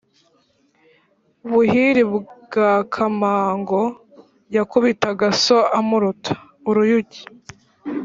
Buhiri bwa Kamango yakubitaga so amuruta ?-Uruyuki.